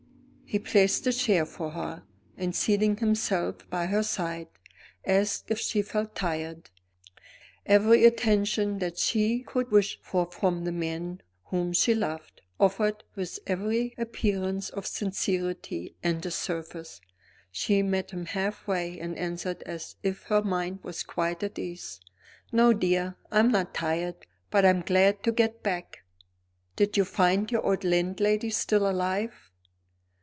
He placed a chair for her, and seating himself by her side asked if she felt tired. Every attention that she could wish for from the man whom she loved, offered with every appearance of sincerity on the surface! She met him halfway, and answered as if her mind was quite at ease. "No, dear, I'm not tired but I'm glad to get back." "Did you find your old landlady still alive?"